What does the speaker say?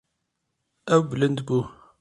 Ew bilind bû.